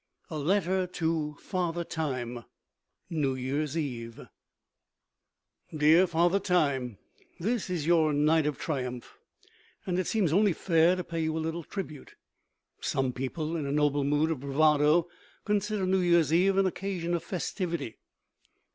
A LETTER TO FATHER TIME (NEW YEAR'S EVE) Dear Father Time This is your night of triumph, and it seems only fair to pay you a little tribute. Some people, in a noble mood of bravado, consider New Year's Eve an occasion of festivity.